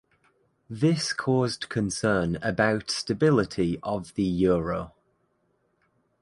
This caused concerned about stability of the Euro.